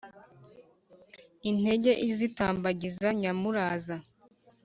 intege izitambagiza nyamuraza